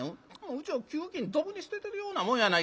うちの給金どぶに捨ててるようなもんやない。